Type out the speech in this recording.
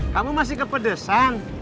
kamu masih kepedesan